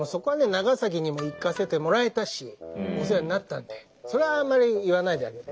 長崎にも行かせてもらえたしお世話になったんでそれはあんまり言わないであげて。